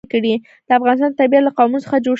د افغانستان طبیعت له قومونه څخه جوړ شوی دی.